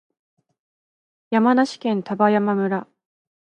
山梨県丹波山村